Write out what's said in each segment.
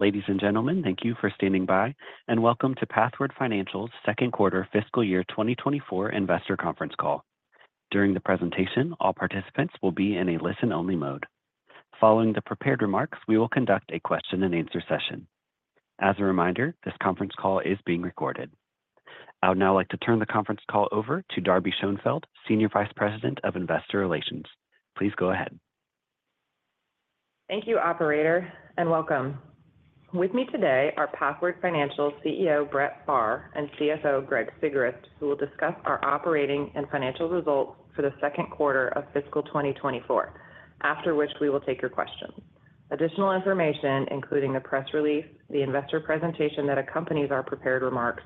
Ladies and gentlemen, thank you for standing by, and welcome to Pathward Financial's Second Quarter Fiscal Year 2024 Investor Conference Call. During the presentation, all participants will be in a listen-only mode. Following the prepared remarks, we will conduct a question-and-answer session. As a reminder, this conference call is being recorded. I would now like to turn the conference call over to Darby Schoenfeld, Senior Vice President of Investor Relations. Please go ahead. Thank you, Operator, and welcome. With me today are Pathward Financial CEO Brett Pharr and CFO Greg Sigrist, who will discuss our operating and financial results for the second quarter of fiscal 2024, after which we will take your questions. Additional information, including the press release, the investor presentation that accompanies our prepared remarks,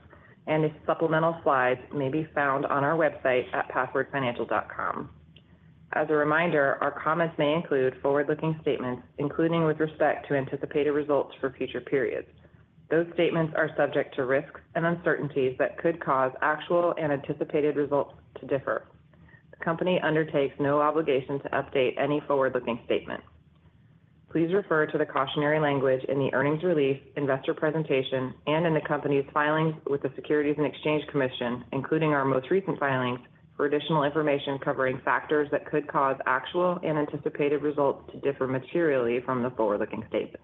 and supplemental slides, may be found on our website at pathwardfinancial.com. As a reminder, our comments may include forward-looking statements, including with respect to anticipated results for future periods. Those statements are subject to risks and uncertainties that could cause actual and anticipated results to differ. The company undertakes no obligation to update any forward-looking statements. Please refer to the cautionary language in the earnings release, investor presentation, and in the company's filings with the Securities and Exchange Commission, including our most recent filings, for additional information covering factors that could cause actual and anticipated results to differ materially from the forward-looking statements.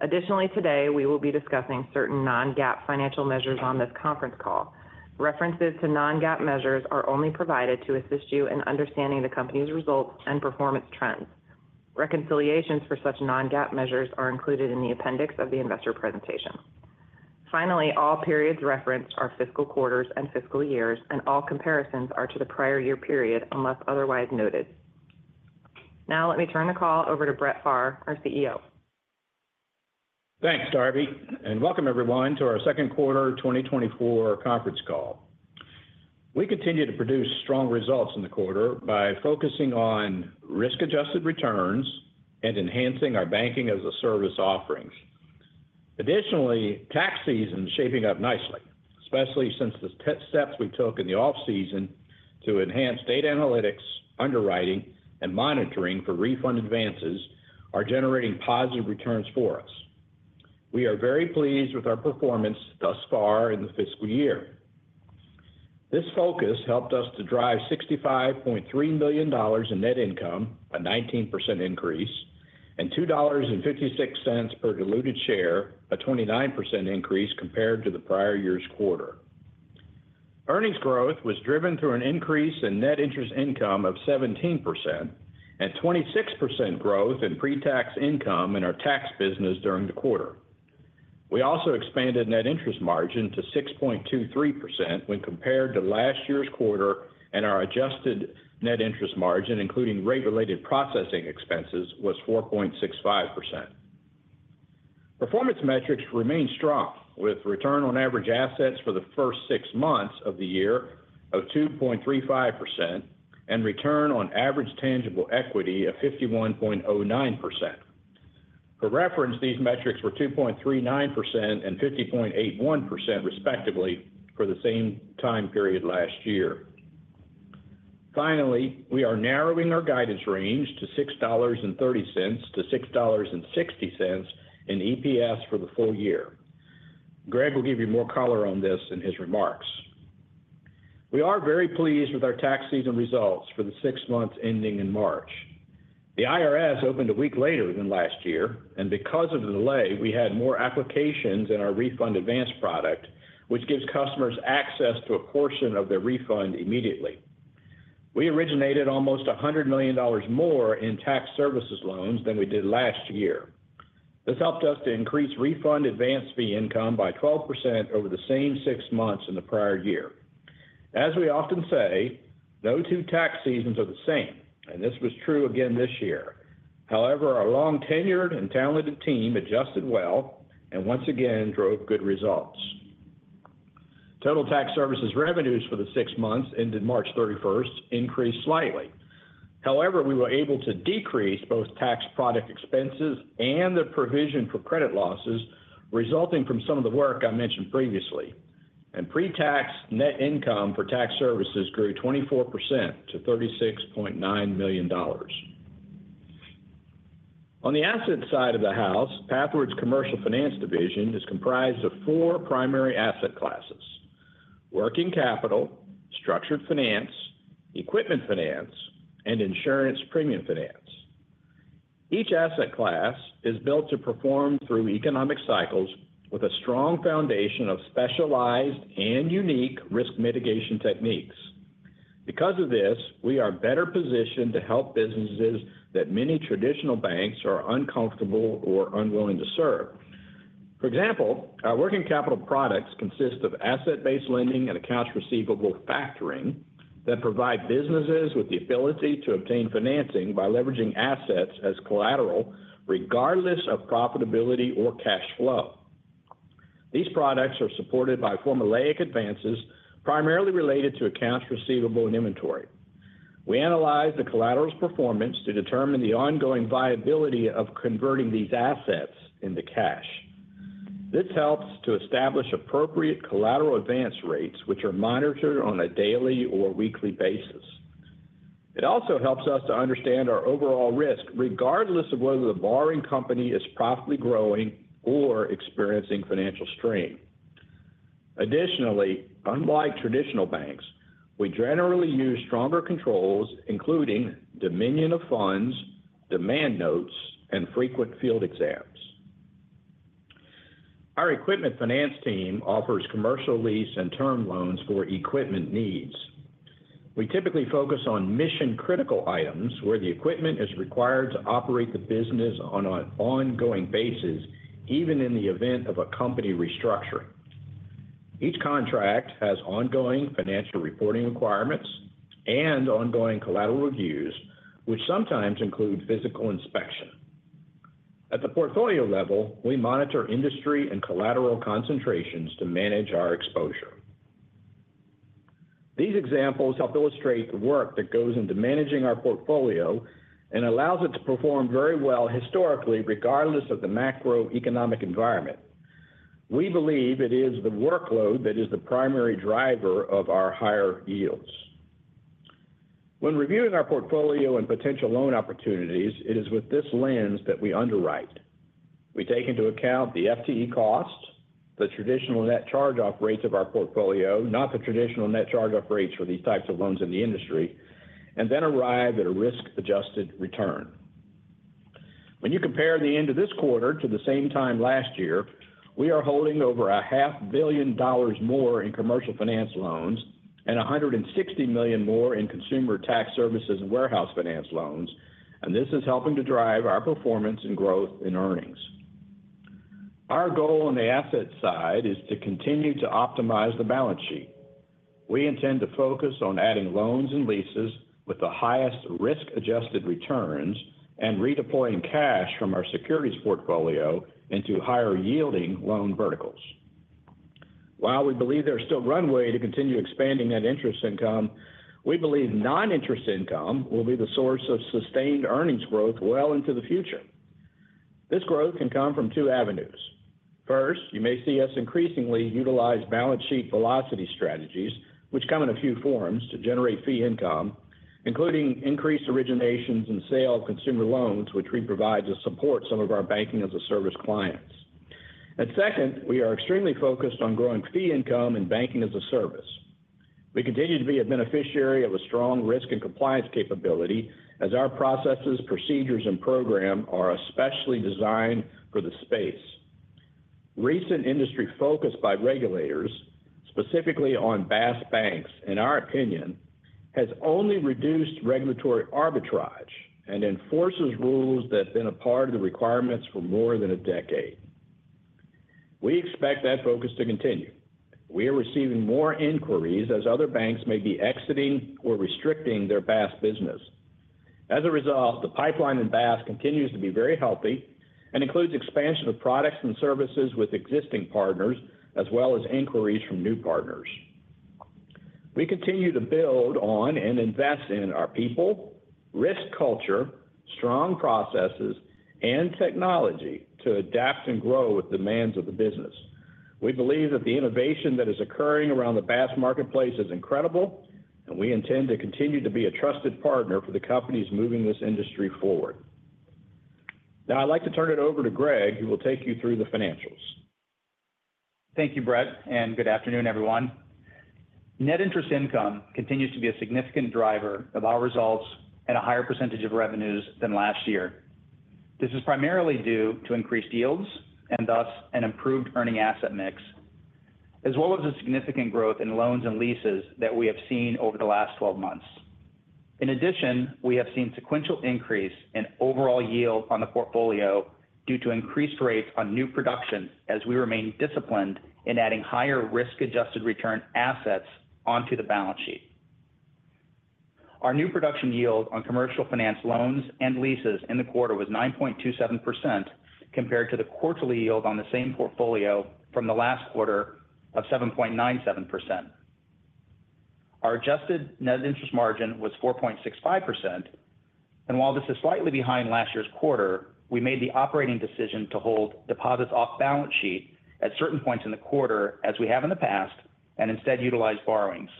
Additionally, today we will be discussing certain non-GAAP financial measures on this conference call. References to non-GAAP measures are only provided to assist you in understanding the company's results and performance trends. Reconciliations for such non-GAAP measures are included in the appendix of the investor presentation. Finally, all periods referenced are fiscal quarters and fiscal years, and all comparisons are to the prior year period unless otherwise noted. Now let me turn the call over to Brett Pharr, our CEO. Thanks, Darby, and welcome, everyone, to our second quarter 2024 conference call. We continue to produce strong results in the quarter by focusing on risk-adjusted returns and enhancing our banking-as-a-service offerings. Additionally, tax season is shaping up nicely, especially since the steps we took in the off-season to enhance data analytics, underwriting, and monitoring for refund advances are generating positive returns for us. We are very pleased with our performance thus far in the fiscal year. This focus helped us to drive $65.3 million in net income, a 19% increase, and $2.56 per diluted share, a 29% increase compared to the prior year's quarter. Earnings growth was driven through an increase in net interest income of 17% and 26% growth in pre-tax income in our tax business during the quarter. We also expanded net interest margin to 6.23% when compared to last year's quarter, and our adjusted net interest margin, including rate-related processing expenses, was 4.65%. Performance metrics remain strong, with return on average assets for the first six months of the year of 2.35% and return on average tangible equity of 51.09%. For reference, these metrics were 2.39% and 50.81%, respectively, for the same time period last year. Finally, we are narrowing our guidance range to $6.30-$6.60 in EPS for the full year. Greg will give you more color on this in his remarks. We are very pleased with our tax season results for the six months ending in March. The IRS opened a week later than last year, and because of the delay, we had more applications in our refund advance product, which gives customers access to a portion of their refund immediately. We originated almost $100 million more in tax services loans than we did last year. This helped us to increase refund advance fee income by 12% over the same six months in the prior year. As we often say, no two tax seasons are the same, and this was true again this year. However, our long-tenured and talented team adjusted well and once again drove good results. Total tax services revenues for the six months ended March 31st increased slightly. However, we were able to decrease both tax product expenses and the provision for credit losses resulting from some of the work I mentioned previously, and pre-tax net income for tax services grew 24% to $36.9 million. On the asset side of the house, Pathward's Commercial Finance Division is comprised of four primary asset classes: working capital, structured finance, equipment finance, and insurance premium finance. Each asset class is built to perform through economic cycles with a strong foundation of specialized and unique risk mitigation techniques. Because of this, we are better positioned to help businesses that many traditional banks are uncomfortable or unwilling to serve. For example, our working capital products consist of asset-based lending and accounts receivable factoring that provide businesses with the ability to obtain financing by leveraging assets as collateral, regardless of profitability or cash flow. These products are supported by formulaic advances primarily related to accounts receivable and inventory. We analyze the collateral's performance to determine the ongoing viability of converting these assets into cash. This helps to establish appropriate collateral advance rates, which are monitored on a daily or weekly basis. It also helps us to understand our overall risk, regardless of whether the borrowing company is profitably growing or experiencing financial strain. Additionally, unlike traditional banks, we generally use stronger controls, including dominion of funds, demand notes, and frequent field exams. Our equipment finance team offers commercial lease and term loans for equipment needs. We typically focus on mission-critical items where the equipment is required to operate the business on an ongoing basis, even in the event of a company restructuring. Each contract has ongoing financial reporting requirements and ongoing collateral reviews, which sometimes include physical inspection. At the portfolio level, we monitor industry and collateral concentrations to manage our exposure. These examples help illustrate the work that goes into managing our portfolio and allows it to perform very well historically, regardless of the macroeconomic environment. We believe it is the workload that is the primary driver of our higher yields. When reviewing our portfolio and potential loan opportunities, it is with this lens that we underwrite. We take into account the FTE cost, the traditional net charge-off rates of our portfolio, not the traditional net charge-off rates for these types of loans in the industry, and then arrive at a risk-adjusted return. When you compare the end of this quarter to the same time last year, we are holding over $500 million more in commercial finance loans and $160 million more in consumer tax services and warehouse finance loans, and this is helping to drive our performance and growth in earnings. Our goal on the asset side is to continue to optimize the balance sheet. We intend to focus on adding loans and leases with the highest risk-adjusted returns and redeploying cash from our securities portfolio into higher-yielding loan verticals. While we believe there's still runway to continue expanding net interest income, we believe non-interest income will be the source of sustained earnings growth well into the future. This growth can come from two avenues. First, you may see us increasingly utilize balance sheet velocity strategies, which come in a few forms to generate fee income, including increased originations and sale of consumer loans, which we provide to support some of our banking-as-a-service clients. And second, we are extremely focused on growing fee income in banking-as-a-service. We continue to be a beneficiary of a strong risk and compliance capability as our processes, procedures, and program are especially designed for the space. Recent industry focus by regulators, specifically on BaaS banks, in our opinion, has only reduced regulatory arbitrage and enforces rules that have been a part of the requirements for more than a decade. We expect that focus to continue. We are receiving more inquiries as other banks may be exiting or restricting their BaaS business. As a result, the pipeline in BaaS continues to be very healthy and includes expansion of products and services with existing partners, as well as inquiries from new partners. We continue to build on and invest in our people, risk culture, strong processes, and technology to adapt and grow with demands of the business. We believe that the innovation that is occurring around the BaaS marketplace is incredible, and we intend to continue to be a trusted partner for the companies moving this industry forward. Now, I'd like to turn it over to Greg, who will take you through the financials. Thank you, Brett, and good afternoon, everyone. Net interest income continues to be a significant driver of our results and a higher percentage of revenues than last year. This is primarily due to increased yields and thus an improved earning asset mix, as well as a significant growth in loans and leases that we have seen over the last 12 months. In addition, we have seen sequential increase in overall yield on the portfolio due to increased rates on new production as we remain disciplined in adding higher risk-adjusted return assets onto the balance sheet. Our new production yield on commercial finance loans and leases in the quarter was 9.27% compared to the quarterly yield on the same portfolio from the last quarter of 7.97%. Our adjusted net interest margin was 4.65%, and while this is slightly behind last year's quarter, we made the operating decision to hold deposits off balance sheet at certain points in the quarter as we have in the past and instead utilize borrowings.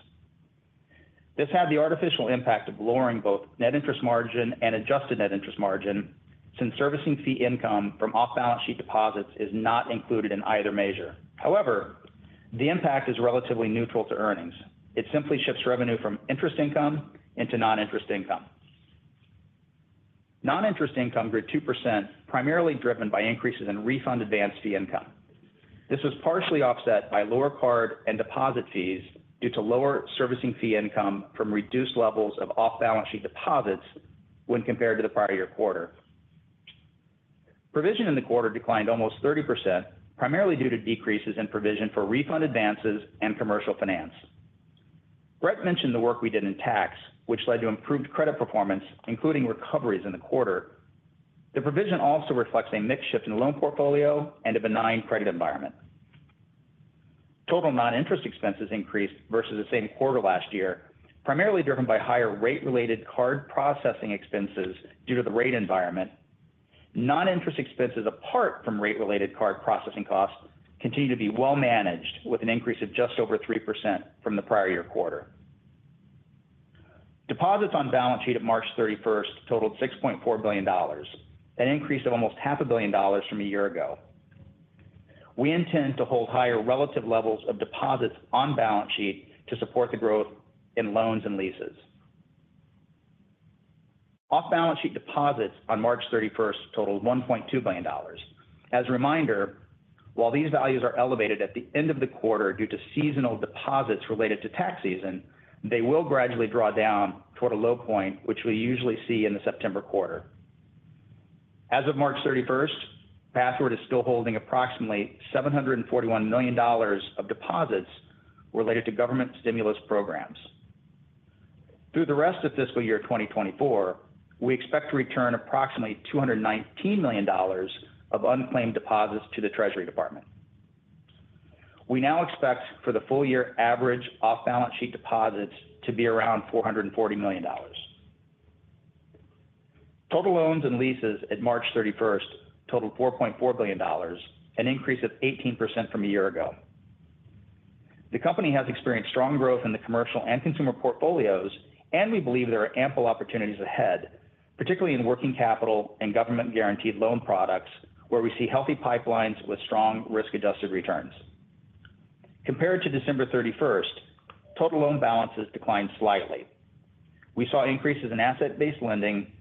This had the artificial impact of lowering both net interest margin and adjusted net interest margin since servicing fee income from off-balance sheet deposits is not included in either measure. However, the impact is relatively neutral to earnings. It simply shifts revenue from interest income into non-interest income. Non-interest income grew 2%, primarily driven by increases in refund advance fee income. This was partially offset by lower card and deposit fees due to lower servicing fee income from reduced levels of off-balance sheet deposits when compared to the prior year quarter. Provision in the quarter declined almost 30%, primarily due to decreases in provision for refund advances and commercial finance. Brett mentioned the work we did in tax, which led to improved credit performance, including recoveries in the quarter. The provision also reflects a mixed shift in the loan portfolio and a benign credit environment. Total non-interest expenses increased versus the same quarter last year, primarily driven by higher rate-related card processing expenses due to the rate environment. Non-interest expenses apart from rate-related card processing costs continue to be well managed, with an increase of just over 3% from the prior year quarter. Deposits on balance sheet at March 31st totaled $6.4 billion, an increase of almost $500 million from a year ago. We intend to hold higher relative levels of deposits on balance sheet to support the growth in loans and leases. Off-balance sheet deposits on March 31st totaled $1.2 billion. As a reminder, while these values are elevated at the end of the quarter due to seasonal deposits related to tax season, they will gradually draw down toward a low point, which we usually see in the September quarter. As of March 31st, Pathward is still holding approximately $741 million of deposits related to government stimulus programs. Through the rest of fiscal year 2024, we expect to return approximately $219 million of unclaimed deposits to the Treasury Department. We now expect for the full year average off-balance sheet deposits to be around $440 million. Total loans and leases at March 31st totaled $4.4 billion, an increase of 18% from a year ago. The company has experienced strong growth in the commercial and consumer portfolios, and we believe there are ample opportunities ahead, particularly in working capital and government-guaranteed loan products, where we see healthy pipelines with strong risk-adjusted returns. Compared to December 31st, total loan balances declined slightly. We saw increases in asset-based lending,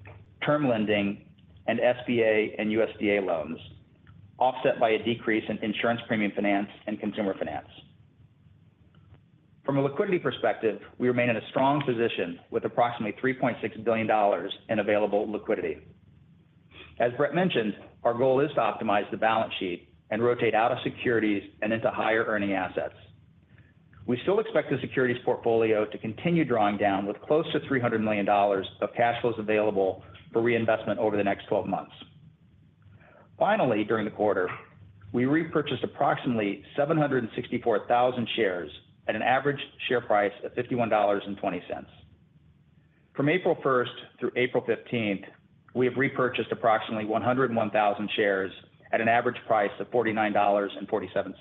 term lending, and SBA and USDA loans, offset by a decrease in insurance premium finance and consumer finance. From a liquidity perspective, we remain in a strong position with approximately $3.6 billion in available liquidity. As Brett mentioned, our goal is to optimize the balance sheet and rotate out of securities and into higher-earning assets. We still expect the securities portfolio to continue drawing down with close to $300 million of cash flows available for reinvestment over the next 12 months. Finally, during the quarter, we repurchased approximately 764,000 shares at an average share price of $51.20. From April 1st through April 15th, we have repurchased approximately 101,000 shares at an average price of $49.47.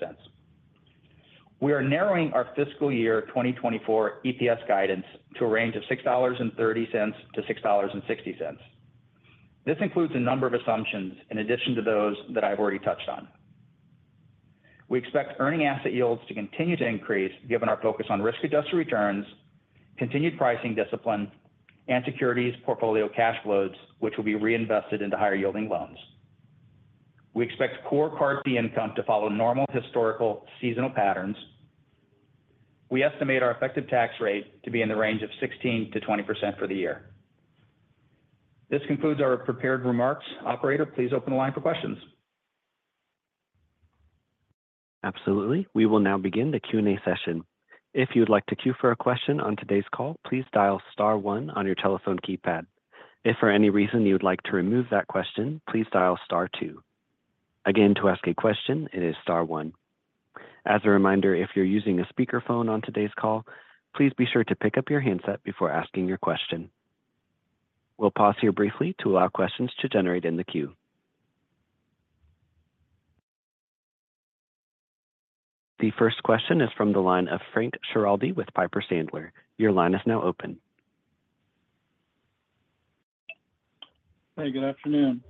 We are narrowing our fiscal year 2024 EPS guidance to a range of $6.30-$6.60. This includes a number of assumptions in addition to those that I've already touched on. We expect earning asset yields to continue to increase given our focus on risk-adjusted returns, continued pricing discipline, and securities portfolio cash flows, which will be reinvested into higher-yielding loans. We expect core card fee income to follow normal historical seasonal patterns. We estimate our effective tax rate to be in the range of 16%-20% for the year. This concludes our prepared remarks. Operator, please open the line for questions. Absolutely. We will now begin the Q&A session. If you would like to cue for a question on today's call, please dial star one on your telephone keypad. If for any reason you would like to remove that question, please dial star two. Again, to ask a question, it is star one. As a reminder, if you're using a speakerphone on today's call, please be sure to pick up your handset before asking your question. We'll pause here briefly to allow questions to generate in the queue. The first question is from the line of Frank Schiraldi with Piper Sandler. Your line is now open. Hey, good afternoon.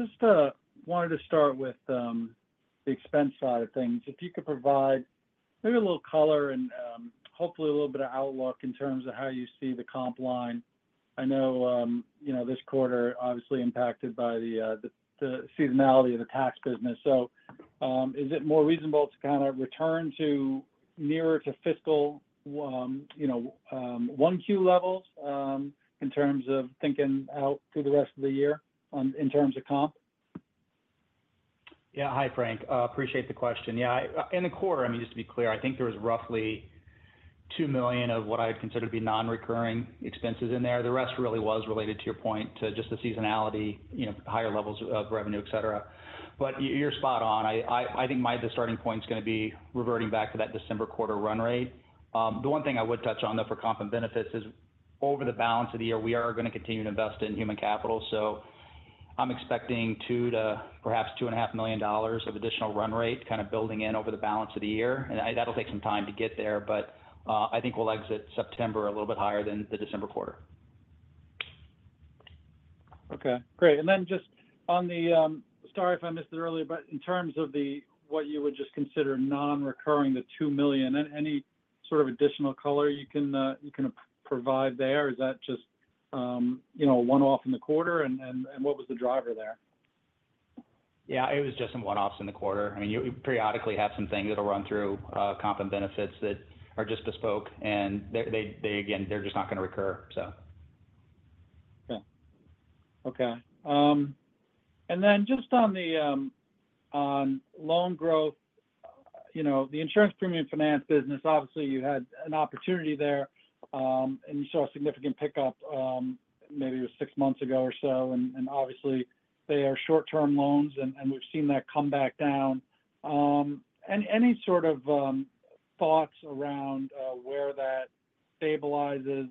Just wanted to start with the expense side of things. If you could provide maybe a little color and hopefully a little bit of outlook in terms of how you see the comp line. I know this quarter obviously impacted by the seasonality of the tax business. So is it more reasonable to kind of return nearer to fiscal Q1 levels in terms of thinking out through the rest of the year in terms of comp? Yeah. Hi, Frank. Appreciate the question. Yeah. In the quarter, I mean, just to be clear, I think there was roughly $2 million of what I'd consider to be non-recurring expenses in there. The rest really was related to your point to just the seasonality, higher levels of revenue, etc. But you're spot on. I think my starting point is going to be reverting back to that December quarter run rate. The one thing I would touch on, though, for comp and benefits is over the balance of the year, we are going to continue to invest in human capital. So I'm expecting perhaps $2.5 million of additional run rate kind of building in over the balance of the year. And that'll take some time to get there, but I think we'll exit September a little bit higher than the December quarter. Okay. Great. And then just on the sorry if I missed it earlier, but in terms of what you would just consider non-recurring, the $2 million, any sort of additional color you can provide there? Is that just a one-off in the quarter, and what was the driver there? Yeah. It was just some one-offs in the quarter. I mean, you periodically have some things that'll run through comp and benefits that are just bespoke, and again, they're just not going to recur, so. Okay. Okay. And then just on loan growth, the insurance premium finance business, obviously, you had an opportunity there, and you saw a significant pickup maybe it was six months ago or so. And obviously, they are short-term loans, and we've seen that come back down. Any sort of thoughts around where that stabilizes,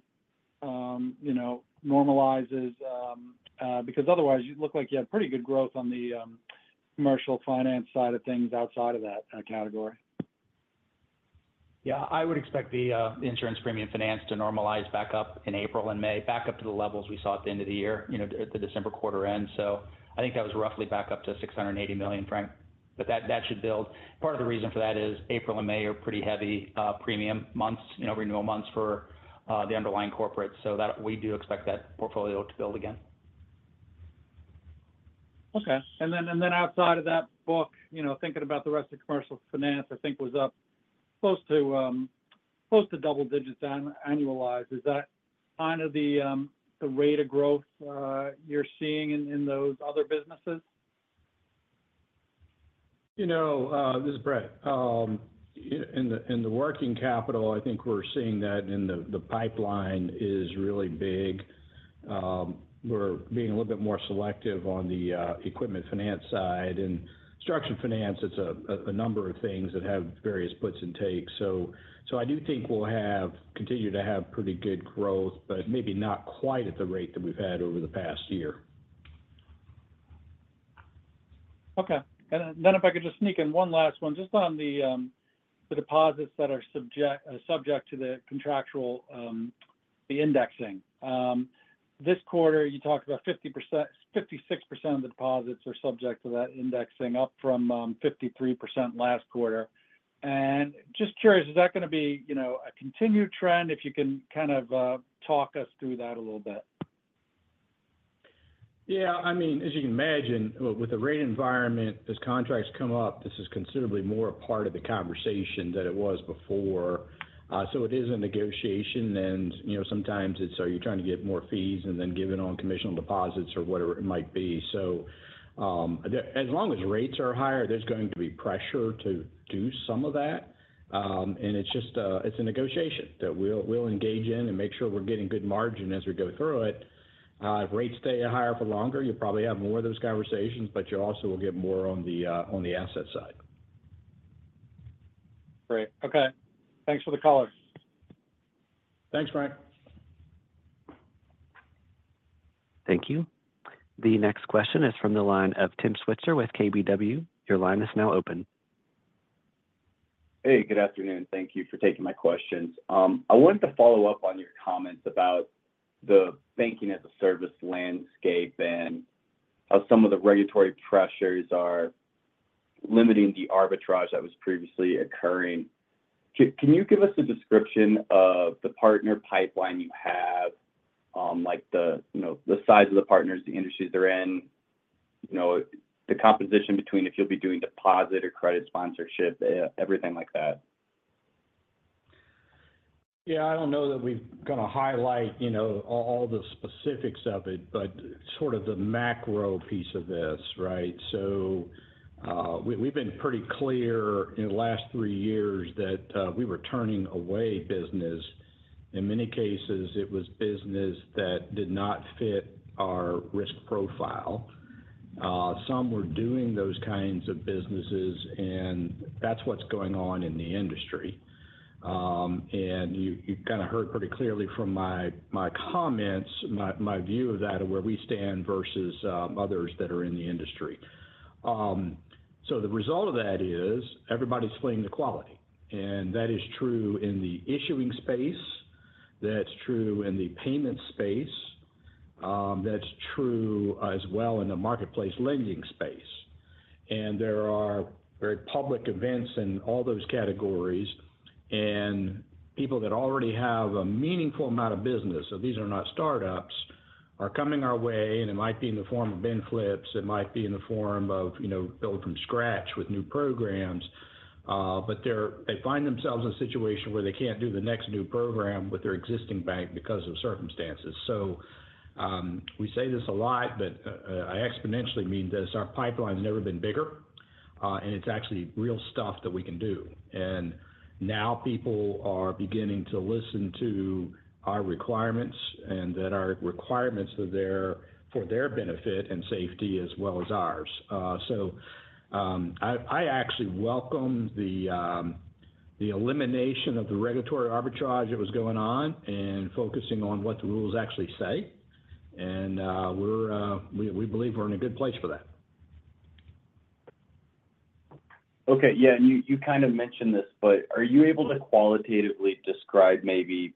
normalizes? Because otherwise, you look like you had pretty good growth on the commercial finance side of things outside of that category. Yeah. I would expect the insurance premium finance to normalize back up in April and May, back up to the levels we saw at the end of the year, the December quarter end. So I think that was roughly back up to $680 million, Frank. But that should build. Part of the reason for that is April and May are pretty heavy premium months, renewal months for the underlying corporate. So we do expect that portfolio to build again. Okay. And then outside of that book, thinking about the rest of commercial finance, I think was up close to double digits annualized. Is that kind of the rate of growth you're seeing in those other businesses? This is Brett. In the working capital, I think we're seeing that in the pipeline is really big. We're being a little bit more selective on the equipment finance side. In structured finance, it's a number of things that have various puts and takes. So I do think we'll continue to have pretty good growth, but maybe not quite at the rate that we've had over the past year. Okay. And then if I could just sneak in one last one, just on the deposits that are subject to the contractual, the indexing. This quarter, you talked about 56% of the deposits are subject to that indexing, up from 53% last quarter. And just curious, is that going to be a continued trend if you can kind of talk us through that a little bit? Yeah. I mean, as you can imagine, with the rate environment, as contracts come up, this is considerably more a part of the conversation than it was before. So it is a negotiation, and sometimes it's, are you trying to get more fees and then give it on compensating deposits or whatever it might be. So as long as rates are higher, there's going to be pressure to do some of that. And it's a negotiation that we'll engage in and make sure we're getting good margin as we go through it. If rates stay higher for longer, you'll probably have more of those conversations, but you also will get more on the asset side. Great. Okay. Thanks for the color. Thanks, Frank. Thank you. The next question is from the line of Tim Switzer with KBW. Your line is now open. Hey. Good afternoon. Thank you for taking my questions. I wanted to follow up on your comments about the banking as a service landscape and how some of the regulatory pressures are limiting the arbitrage that was previously occurring. Can you give us a description of the partner pipeline you have, like the size of the partners, the industries they're in, the composition between if you'll be doing deposit or credit sponsorship, everything like that? Yeah. I don't know that we've got to highlight all the specifics of it, but sort of the macro piece of this, right? So we've been pretty clear in the last three years that we were turning away business. In many cases, it was business that did not fit our risk profile. Some were doing those kinds of businesses, and that's what's going on in the industry. And you kind of heard pretty clearly from my comments, my view of that, of where we stand versus others that are in the industry. So the result of that is everybody's fleeing the quality. And that is true in the issuing space. That's true in the payment space. That's true as well in the marketplace lending space. There are very public events in all those categories, and people that already have a meaningful amount of business - so these are not startups - are coming our way. It might be in the form of benefits. It might be in the form of building from scratch with new programs. But they find themselves in a situation where they can't do the next new program with their existing bank because of circumstances. So we say this a lot, but I exponentially mean this. Our pipeline has never been bigger, and it's actually real stuff that we can do. Now people are beginning to listen to our requirements and that are requirements for their benefit and safety as well as ours. So I actually welcome the elimination of the regulatory arbitrage that was going on and focusing on what the rules actually say. We believe we're in a good place for that. Okay. Yeah. And you kind of mentioned this, but are you able to qualitatively describe maybe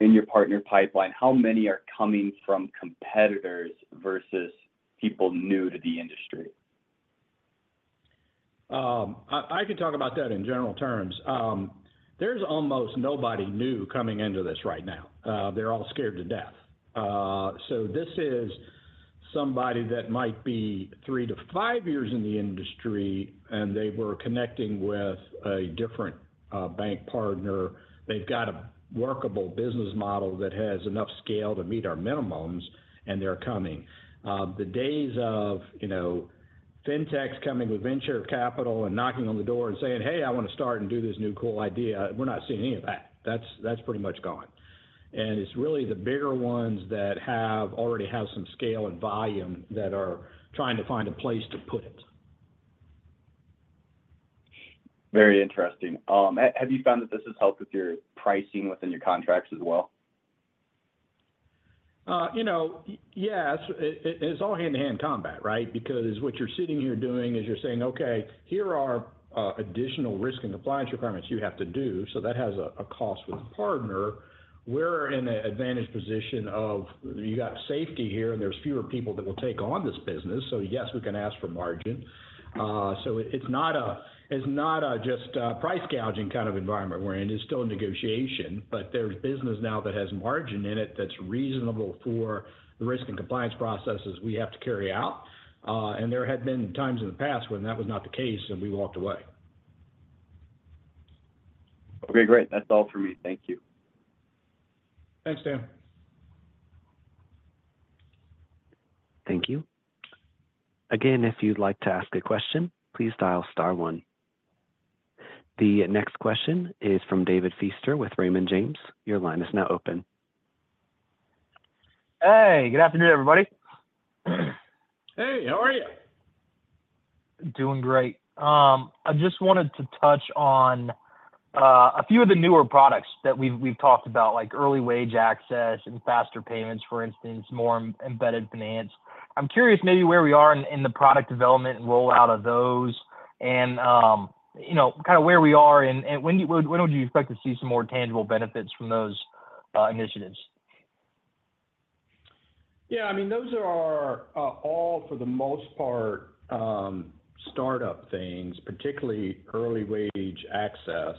in your partner pipeline how many are coming from competitors versus people new to the industry? I can talk about that in general terms. There's almost nobody new coming into this right now. They're all scared to death. So this is somebody that might be three to five years in the industry, and they were connecting with a different bank partner. They've got a workable business model that has enough scale to meet our minimums, and they're coming. The days of fintechs coming with venture capital and knocking on the door and saying, "Hey, I want to start and do this new cool idea," we're not seeing any of that. That's pretty much gone. It's really the bigger ones that already have some scale and volume that are trying to find a place to put it. Very interesting. Have you found that this has helped with your pricing within your contracts as well? Yes. It's all hand-to-hand combat, right? Because what you're sitting here doing is you're saying, "Okay. Here are additional risk and compliance requirements you have to do." So that has a cost with the partner. We're in an advantaged position of you got safety here, and there's fewer people that will take on this business. So yes, we can ask for margin. So it's not just a price gouging kind of environment we're in. It's still a negotiation, but there's business now that has margin in it that's reasonable for the risk and compliance processes we have to carry out. And there had been times in the past when that was not the case, and we walked away. Okay. Great. That's all for me. Thank you. Thanks, Tim. Thank you. Again, if you'd like to ask a question, please dial star one. The next question is from David Feaster with Raymond James. Your line is now open. Hey. Good afternoon, everybody. Hey. How are you? Doing great. I just wanted to touch on a few of the newer products that we've talked about, like early wage access and faster payments, for instance, more embedded finance. I'm curious maybe where we are in the product development and rollout of those and kind of where we are, and when would you expect to see some more tangible benefits from those initiatives? Yeah. I mean, those are all, for the most part, startup things, particularly early wage access.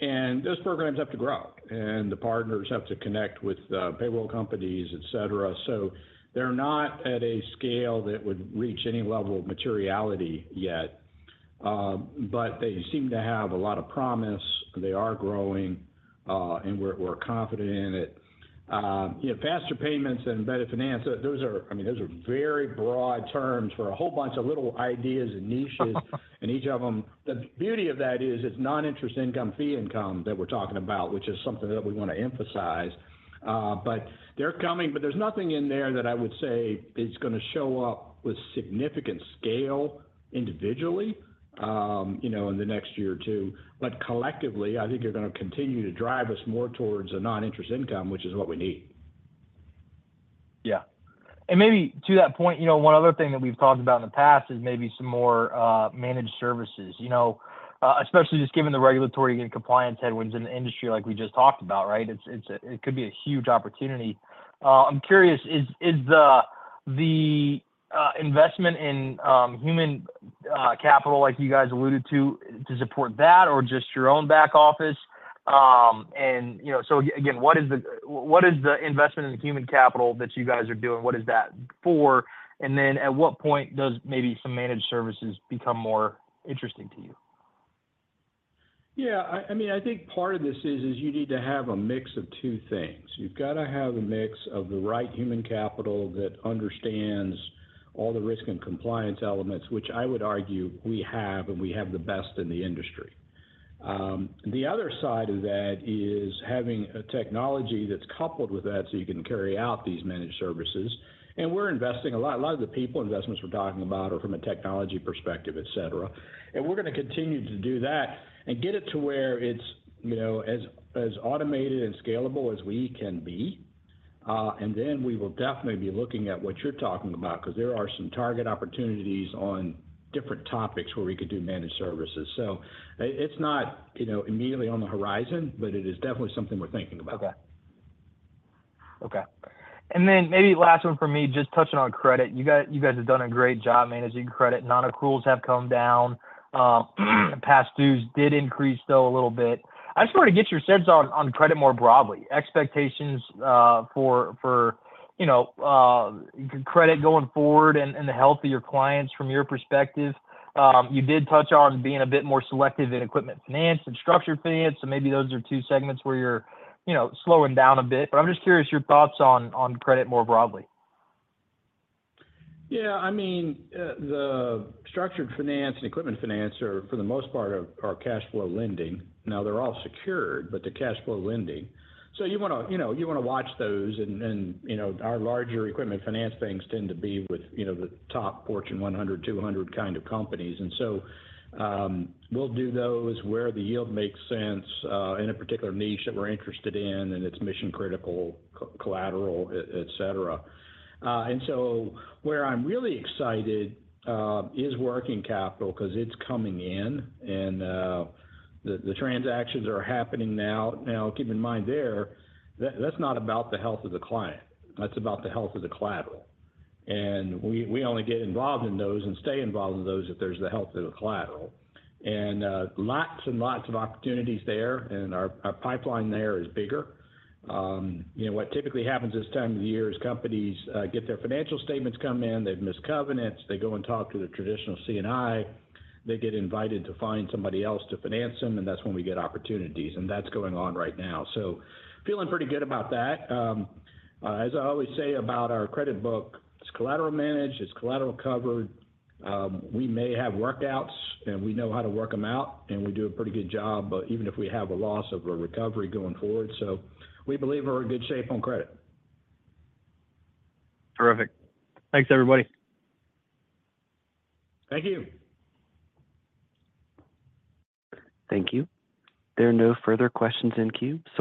And those programs have to grow, and the partners have to connect with payroll companies, etc. So they're not at a scale that would reach any level of materiality yet, but they seem to have a lot of promise. They are growing, and we're confident in it. Faster payments and embedded finance, I mean, those are very broad terms for a whole bunch of little ideas and niches, and each of them, the beauty of that is it's non-interest income, fee income that we're talking about, which is something that we want to emphasize. But they're coming, but there's nothing in there that I would say is going to show up with significant scale individually in the next year or two. But collectively, I think they're going to continue to drive us more towards a non-interest income, which is what we need. Yeah. And maybe to that point, one other thing that we've talked about in the past is maybe some more managed services, especially just given the regulatory and compliance headwinds in the industry like we just talked about, right? It could be a huge opportunity. I'm curious, is the investment in human capital, like you guys alluded to, to support that or just your own back office? And so again, what is the investment in human capital that you guys are doing? What is that for? And then at what point does maybe some managed services become more interesting to you? Yeah. I mean, I think part of this is you need to have a mix of two things. You've got to have a mix of the right human capital that understands all the risk and compliance elements, which I would argue we have, and we have the best in the industry. The other side of that is having a technology that's coupled with that so you can carry out these managed services. And we're investing a lot. A lot of the people investments we're talking about are from a technology perspective, etc. And we're going to continue to do that and get it to where it's as automated and scalable as we can be. And then we will definitely be looking at what you're talking about because there are some target opportunities on different topics where we could do managed services. It's not immediately on the horizon, but it is definitely something we're thinking about. Okay. Okay. And then maybe last one for me, just touching on credit. You guys have done a great job managing credit. Nonaccruals have come down. Past dues did increase, though, a little bit. I just wanted to get your sense on credit more broadly, expectations for credit going forward and the health of your clients from your perspective. You did touch on being a bit more selective in equipment finance and structured finance. So maybe those are two segments where you're slowing down a bit. But I'm just curious your thoughts on credit more broadly. Yeah. I mean, the structured finance and equipment finance are, for the most part, our cash flow lending. Now, they're all secured, but the cash flow lending so you want to watch those. And our larger equipment finance things tend to be with the top Fortune 100-200 kind of companies. And so we'll do those where the yield makes sense in a particular niche that we're interested in and it's mission-critical, collateral, etc. And so where I'm really excited is working capital because it's coming in, and the transactions are happening now. Now, keep in mind there, that's not about the health of the client. That's about the health of the collateral. And we only get involved in those and stay involved in those if there's the health of the collateral. And lots and lots of opportunities there, and our pipeline there is bigger. What typically happens this time of the year is companies get their financial statements come in. They've missed covenants. They go and talk to the traditional C&I. They get invited to find somebody else to finance them, and that's when we get opportunities. That's going on right now. Feeling pretty good about that. As I always say about our credit book, it's collateral managed. It's collateral covered. We may have workouts, and we know how to work them out, and we do a pretty good job even if we have a loss of a recovery going forward. We believe we're in good shape on credit. Terrific. Thanks, everybody. Thank you. Thank you. There are no further questions in queue, so.